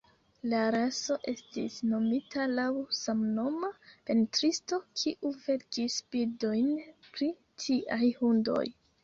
La raso estis nomita laŭ samnoma pentristo, kiu verkis bildojn pri tiaj hundoj.